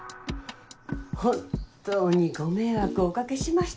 本当にご迷惑をお掛けしました。